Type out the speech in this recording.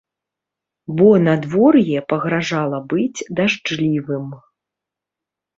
Бо надвор'е пагражала быць дажджлівым.